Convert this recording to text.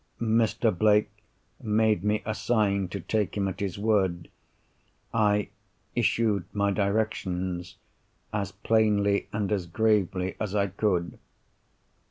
Mr. Blake made me a sign to take him at his word. I "issued my directions" as plainly and as gravely as I could.